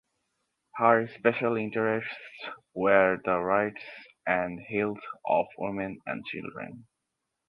Her special interests were the rights and health of women and children.